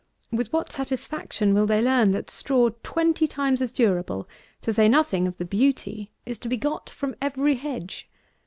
With what satisfaction will they learn that straw, twenty times as durable, to say nothing of the beauty, is to be got from every hedge?